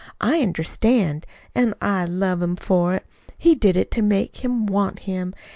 I understand. An' I love him for it. He did it to make him want him.